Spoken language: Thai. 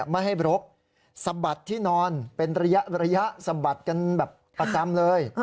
ไม่ให้รกสะบัดที่นอนเป็นระยะสะบัดกันแบบประจำเลย